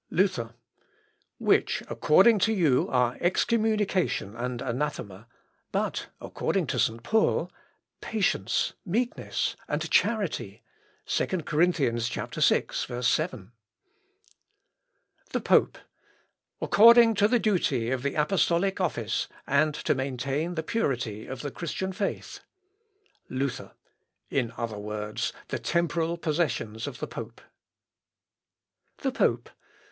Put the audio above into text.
Luther. "Which, according to you, are excommunication and anathema, but according to St. Paul, patience, meekness, and charity." (2 Cor. vi, 7.) The Pope. "According to the duty of the apostolic office, and to maintain the purity of Christian faith." Luther. "In other words, the temporal possessions of the pope." _The Pope.